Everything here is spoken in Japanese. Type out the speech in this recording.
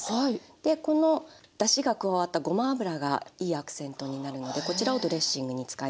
でこのだしが加わったごま油がいいアクセントになるのでこちらをドレッシングに使います。